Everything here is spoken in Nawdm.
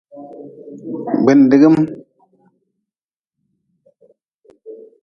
Gbindigm.